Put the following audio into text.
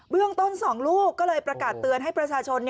เรื่องต้น๒ลูกก็เลยประกาศเตือนให้ประชาชน